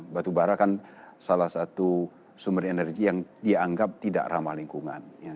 batu bara kan salah satu sumber energi yang dianggap tidak ramah lingkungan